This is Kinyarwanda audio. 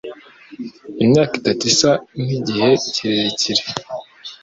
Imyaka itatu isa nkigihe kirekire.